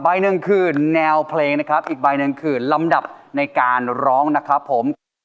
หนึ่งคือแนวเพลงนะครับอีกใบหนึ่งคือลำดับในการร้องนะครับผม